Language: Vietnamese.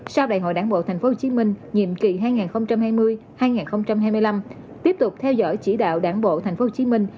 sau đại hội đảng bộ thành phố hồ chí minh nhiệm kỳ hai nghìn hai mươi hai nghìn hai mươi năm tiếp tục theo dõi chỉ đạo đảng bộ thành phố hồ chí minh